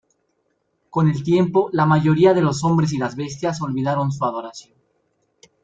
Con el tiempo, la mayoría de los hombres y las bestias olvidaron su adoración.